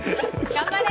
頑張れ！